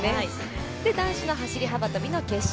男子の走幅跳の決勝。